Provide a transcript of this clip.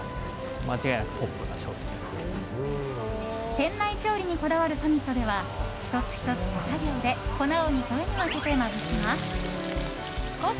店内調理にこだわるサミットでは１つ１つ手作業で粉を２回に分けてまぶします。